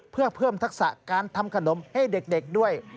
เพื่อเพิ่มทักษะการทำขนมให้เด็กด้วย